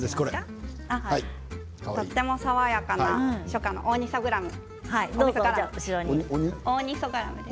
とても爽やかな初夏のオーニソガラム。